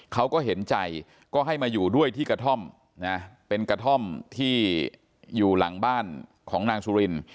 เขาก็เห็นใจก็ให้มาอยู่ด้วยที่กระท่อมนะเป็นกระท่อมที่อยู่หลังบ้านของนางสุริน